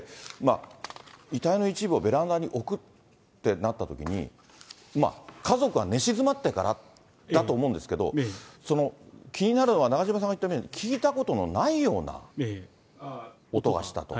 遺体の一部をベランダに置くってなったときに、家族が寝静まってからだと思うんですけど、気になるのは、中島さんが言ったように、聞いたことのないような音がしたと。